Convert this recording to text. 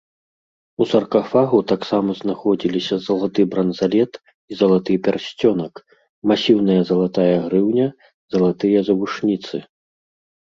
У саркафагу таксама знаходзіліся залаты бранзалет і залаты пярсцёнак, масіўная залатая грыўня, залатыя завушніцы.